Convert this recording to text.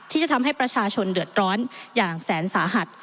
ที่จะทำให้ประชาชนเดือดร้อนอย่างแสนสาหัส